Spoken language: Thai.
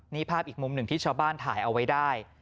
นี่ภาพอีกมุมหนึ่งที่ชาวบ้านถ่ายเอาไว้ได้